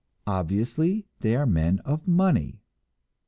Obviously, they are the men of money.